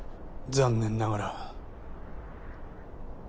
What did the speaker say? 残念ながら。